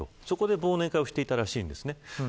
そこで忘年会をしていたらしいですね。